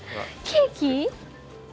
ケーキ？